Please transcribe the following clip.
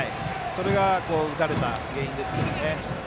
それが打たれた原因ですけどね。